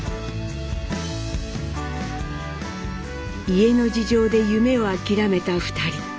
家の事情で夢を諦めた２人。